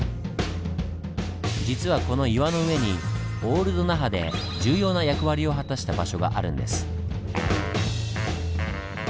実はこの岩の上にオールド那覇で重要な役割を果たした場所があるんです。